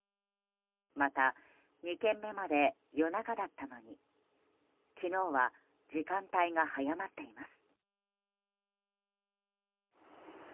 また、２件目まで夜中だったのに昨日は時間帯が早まっています。